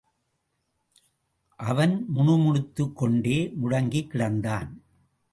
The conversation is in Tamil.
அவன் முணுமுணுத்துக்கொண்டே முடங்கிக் கிடந்தான்.